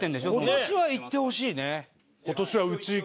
今年はいってほしいね。